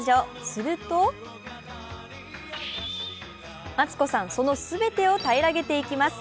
するとマツコさん、その全てを平らげていきます。